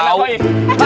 kagak kena poy